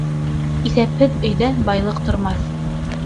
Иҫәпһеҙ өйҙә байлыҡ тормаҫ.